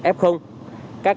các khu vực có f